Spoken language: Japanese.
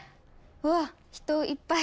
うわっ人いっぱい。